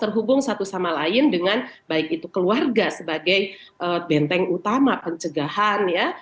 terhubung satu sama lain dengan baik itu keluarga sebagai benteng utama pencegahan ya